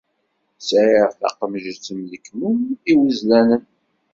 Sεiɣ taqemǧet mm lekmum iwezzlanen.